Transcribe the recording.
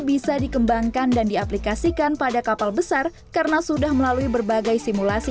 bisa dikembangkan dan diaplikasikan pada kapal besar karena sudah melalui berbagai simulasi